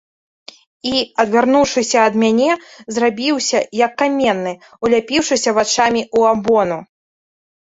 І, адвярнуўшыся ад мяне, зрабіўся, як каменны, уляпіўшыся вачамі ў амбону.